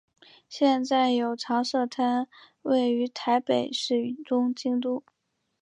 现在有常设摊位于台北市与东京都。